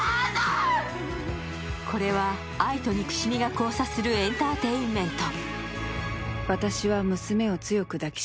これは愛と憎しみが交差するエンターテインメント。